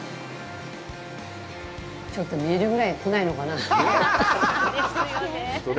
ちょっとビールぐらい来ないのかな？